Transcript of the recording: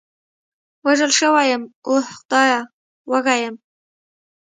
وژل شوی یم، اوه خدایه، وږی یم.